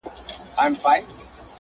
احمدشاه بابا چيري او څنګه ومړ